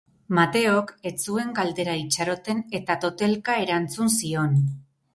Mateok ez zuen galdera itxaroten eta totelka erantzun zion.